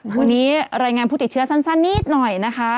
วันนี้รายงานผู้ติดเชื้อสั้นนิดหน่อยนะคะ